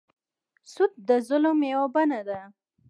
سود د ظلم یوه بڼه ده.